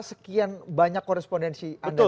sekian banyak korespondensi anda